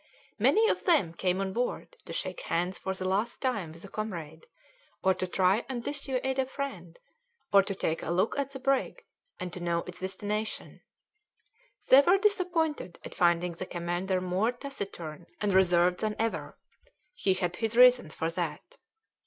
Many of them came on board to shake hands for the last time with a comrade, or to try and dissuade a friend, or to take a look at the brig, and to know its destination; they were disappointed at finding the commander more taciturn and reserved than ever. He had his reasons for that.